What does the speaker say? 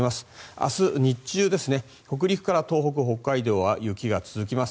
明日、日中北陸から東北、北海道は雪が続きます。